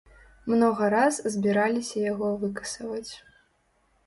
Многа раз збіраліся яго выкасаваць.